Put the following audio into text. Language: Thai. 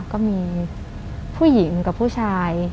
ก็มีผู้หญิงกับผู้ชาย